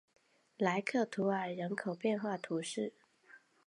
莱克图尔人口变化图示